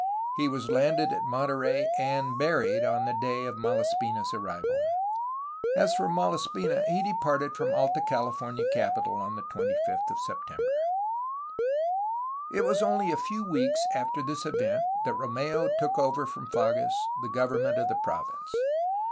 He was landed at Monterey and buried on the day of Malaspina' s arrival. As for Malaspina he departed from the Alta Cali fornia capital on the 25th of September. It was only a few weeks after this event that Romeu took over from Fages the government of the province.